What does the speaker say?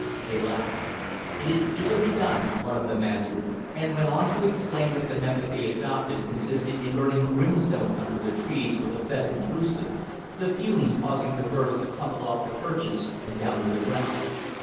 They laughed. "It is easily done," one of them answered, and went on to explain that the method they adopted consisted in burning brimstone under the trees where the pheasants roosted, the fumes causing the birds to tumble off their perches and down to the ground.